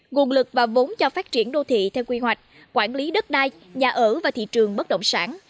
nguồn lực và vốn cho phát triển đô thị theo quy hoạch quản lý đất đai nhà ở và thị trường bất động sản